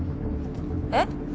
えっ？